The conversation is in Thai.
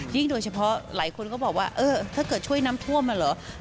โดยเฉพาะหลายคนก็บอกว่าเออถ้าเกิดช่วยน้ำท่วมอ่ะเหรอ